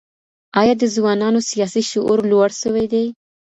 ایا د ځوانانو سیاسي شعور لوړ سوی دی؟